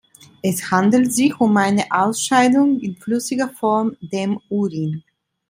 Es handelt sich um eine Ausscheidung in flüssiger Form, dem Urin.